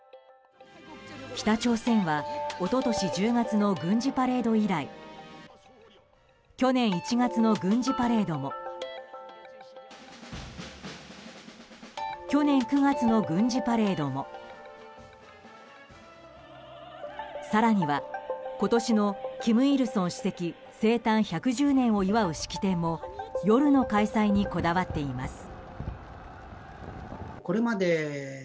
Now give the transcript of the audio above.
北朝鮮は一昨年１０月の軍事パレード以来去年１月の軍事パレードも去年９月の軍事パレードも更には、今年の金日成主席生誕１１０年を祝う式典も夜の開催にこだわっています。